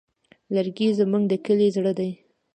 لرګی زموږ د کلي زړه دی.